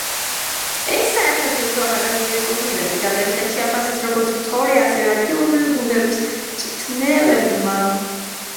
ეს საერთაშორისო ახალგაზრდული ტურნირები დადებითად შეაფასეს როგორც უცხოური, ასევე ადგილობრივი გუნდების მწვრთნელებმა.